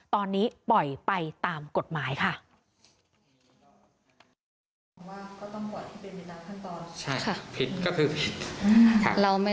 ตอนนี้ปล่อยไปตามกฎหมายค่ะ